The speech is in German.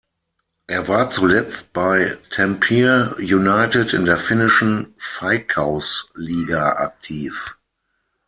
Er war zuletzt bei Tampere United in der finnischen Veikkausliiga aktiv.